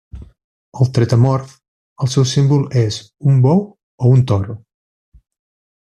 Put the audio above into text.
Al Tetramorf, el seu símbol és un bou o un toro.